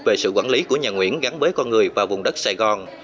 về sự quản lý của nhà nguyễn gắn với con người và vùng đất sài gòn